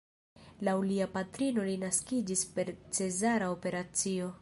Laŭ lia patrino li naskiĝis per cezara operacio.